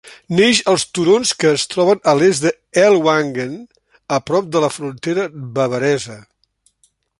Neix als turons que es troben a l'est d'Ellwangen, a prop de la frontera bavaresa.